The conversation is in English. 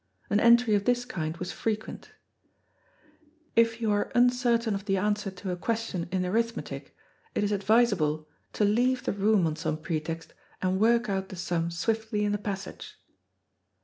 An entry of this kind was frequent: "If you are uncertain of the answer to a question in arithmetic, it is advisable to leave the room on some pretext and work out the sum swiftly in the passage."